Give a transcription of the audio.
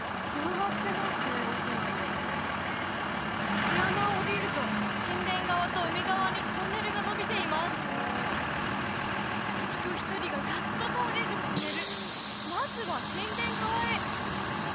たて穴をおりると神殿側と海側にトンネルがのびています人一人がやっと通れるトンネル